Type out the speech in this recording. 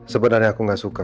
sebenarnya aku gak suka